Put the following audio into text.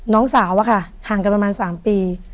น้องสาวอะค่ะห่างกันประมาณ๓ปี